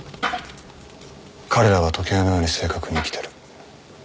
「彼らは時計のように正確に生きてる」